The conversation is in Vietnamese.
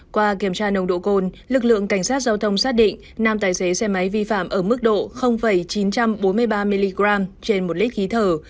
qua kiểm tra nồng độ cồn lực lượng cảnh sát giao thông xác định nam tài xế xe máy vi phạm ở mức độ chín trăm bốn mươi ba mg trên một lít khí thở